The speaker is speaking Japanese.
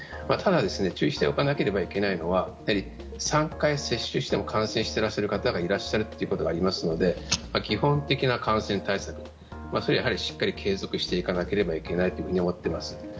ただ、注意しておかなければならないのはやはり３回接種しても感染している方がいらっしゃるということもありますので基本的な感染対策はそれはしっかり継続していかなければいけないと思っています。